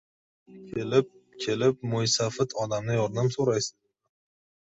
— Kelib-kelib, mo‘ysafid odamdan yordam so‘raysizmi?